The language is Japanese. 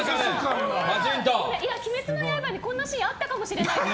「鬼滅の刃」にこんなのあったかもしれないです。